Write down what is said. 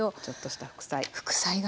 ちょっとした副菜。